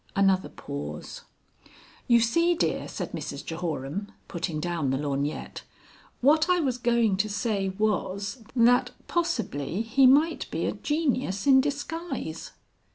Another pause. "You see, dear," said Mrs Jehoram, putting down the lorgnette. "What I was going to say was, that possibly he might be a genius in disguise."